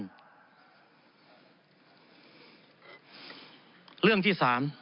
เรื่องที่๓